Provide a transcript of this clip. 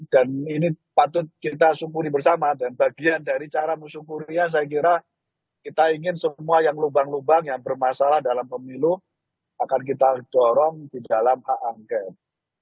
dan ini patut kita syukuri bersama dan bagian dari cara bersyukurnya saya kira kita ingin semua yang lubang lubang yang bermasalah dalam pemilu akan kita dorong di dalam hak angkat